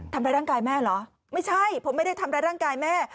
ทำร้ายร่างกายแม่เหรอไม่ใช่ผมไม่ได้ทำร้ายร่างกายแม่